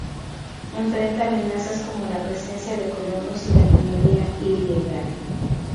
Enfrenta amenazas como la presencia de colonos y la minería ilegal.